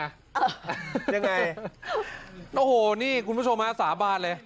ยังไงโอ้โหนี่คุณผู้ชมฮะสาบานเลย